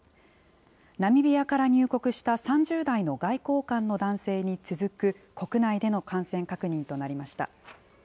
ナミビアから入国した３０代の外交官の男性に続く国内での感染確認となりました。